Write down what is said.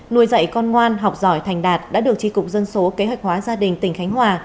nuôi dạy con ngoan học giỏi thành đạt đã được tri cục dân số kế hoạch hóa gia đình tỉnh khánh hòa